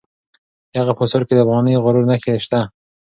د هغه په آثارو کې د افغاني غرور نښې شته.